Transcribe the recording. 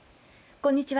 こんにちは。